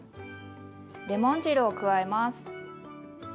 レモン汁を加えます。